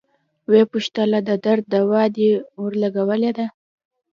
ويې پوښتله د درد دوا دې ورلګولې ده.